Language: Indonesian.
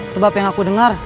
sebab yang aku dengar